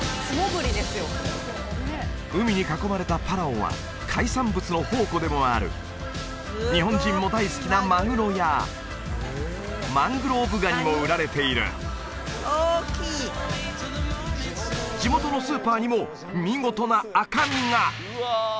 海に囲まれたパラオは海産物の宝庫でもある日本人も大好きなマグロやマングローブガニも売られている地元のスーパーにも見事な赤身がうわ